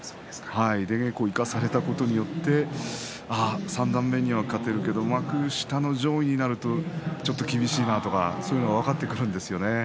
出稽古行かされたことによって三段目には勝てるけど幕下の上位になるとちょっと厳しいなとかそういうのが分かってくるんですよね。